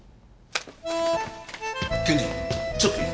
検事ちょっといい？